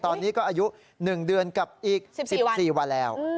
ตอนนี้ก็อายุ๑เดือนกับอีก๑๔วันแล้ว